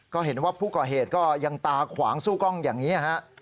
ก็เห็นว่าผู้ก่อเหตุก็ยังตาขวางสู้กล้องอย่างนี้ฮะ